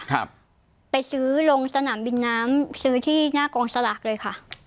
ครับไปซื้อลงสนามบินน้ำซื้อที่หน้ากองสลากเลยค่ะ